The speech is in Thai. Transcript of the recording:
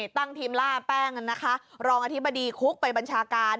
ตั้งทีมล่าแป้งนะคะรองอธิบดีคุกไปบัญชาการ